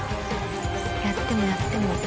やってもやっても。